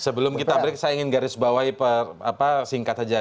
sebelum kita break saya ingin garis bawahi singkat saja